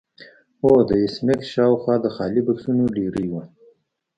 او د ایس میکس شاوخوا د خالي بکسونو ډیرۍ وه